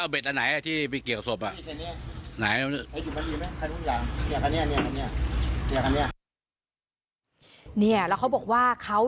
เขาบอกว่าใช่ป่ะว่าใช่อืมเพราะว่าเราเคยช่วยกันแล้วว่าใช่ว่าใช่